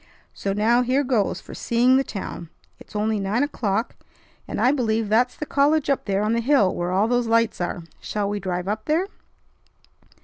So now here goes for seeing the town. It's only nine o'clock, and I believe that's the college up there on the hill where all those lights are. Shall we drive up there?"